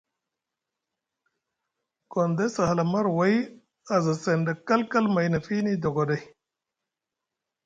Gondes a hala maray aza seŋ ɗa kalkal may na fiini dogoɗay.